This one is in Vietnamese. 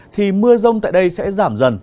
thì mưa rông tại đây sẽ giảm dần